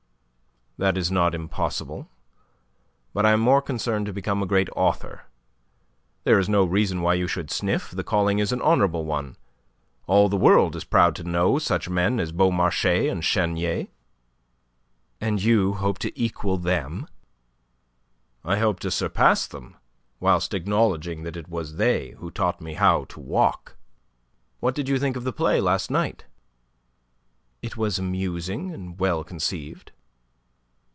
"That is not impossible. But I am more concerned to become a great author. There is no reason why you should sniff. The calling is an honourable one. All the world is proud to know such men as Beaumarchais and Chenier." "And you hope to equal them?" "I hope to surpass them, whilst acknowledging that it was they who taught me how to walk. What did you think of the play last night?" "It was amusing and well conceived."